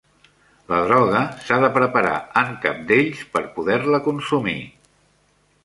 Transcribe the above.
La droga s'ha de preparar en cabdells per poder-la consumir.